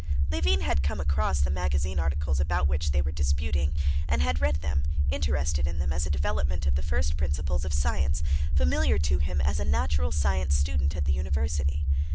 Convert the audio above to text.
Levin had come across the magazine articles about which they were disputing, and had read them, interested in them as a development of the first principles of science, familiar to him as a natural science student at the university.